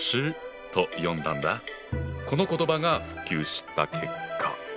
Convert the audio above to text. この言葉が普及した結果。